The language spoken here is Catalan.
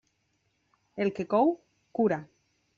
El que cou cura.